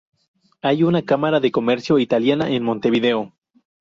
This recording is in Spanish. Hay una Cámara de Comercio Italiana en Montevideo.